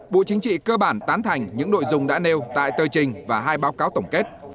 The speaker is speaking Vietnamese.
bộ chính trị cơ bản tán thành những nội dung đã nêu tại tờ trình và hai báo cáo tổng kết